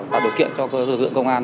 và đổi kiện cho cơ sở lưu trú công an